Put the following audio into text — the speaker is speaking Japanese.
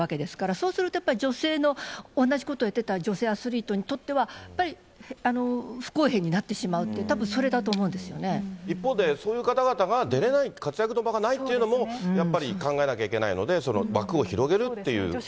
そうするとやっぱり、女性のおんなじことをやってた女性アスリートにとっては、やっぱり不公平になってしまうという、たぶんそれ一方でそういう方々が出れない、活躍の場がないというのもやっぱり考えなきゃいけないので、枠を広げるということですよね。